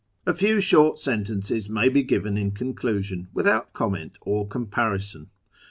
^ A few short sentences may be given in conclusion, without comment or comparison.